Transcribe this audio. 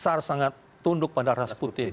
tsar sangat tunduk pada rasputin